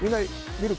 見る？